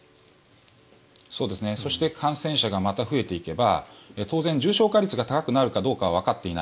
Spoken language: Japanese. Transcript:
そして感染者がまた増えていけば当然、重症化率が高くなるかどうかはわかっていない。